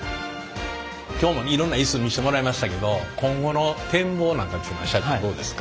今日もいろんなイス見してもらいましたけど今後の展望なんかは社長どうですか？